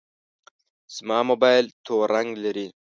زما موبایل تور رنګ لري.